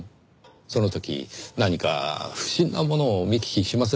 その時何か不審なものを見聞きしませんでしたか？